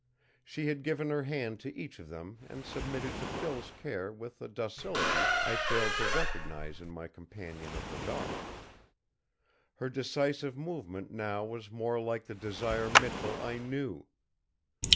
She had given her hand to each of them and submitted to Phil's care with a docility I failed to recognize in my companion of the dark. Her decisive movement now was more like the Desire Michell I knew.